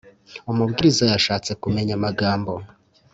Umubwiriza yashatse kumenya amagambo